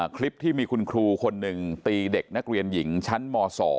คลิปที่มีคุณครูคนหนึ่งตีเด็กนักเรียนหญิงชั้นม๒